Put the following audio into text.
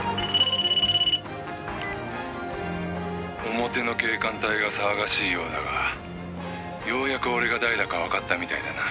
「表の警官隊が騒がしいようだがようやく俺が誰だかわかったみたいだな」